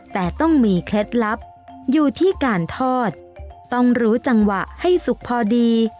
แต่ต้องมีเคล็ดลับอยู่ที่การทอดต้องรู้จังหวะให้สุกพอดี